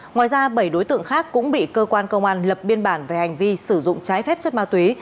ngoài ra bảy đối tượng khác cũng bị cơ quan công an lập biên bản về hành vi sử dụng trái phép chất ma túy